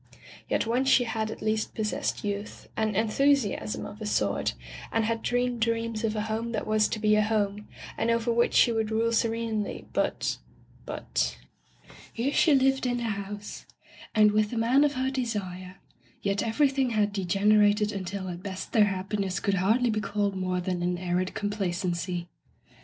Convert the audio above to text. Yet once she had at least pos sessed youth, and enthusiasm of a sort, and had dreamed dreams of a home that was to be a home, and over which she would rule serenely, but — ^but — Here she lived in the house, and with the man of her desire, yet everything had degenerated until at best their happiness could hardly be called more than an arid complacency.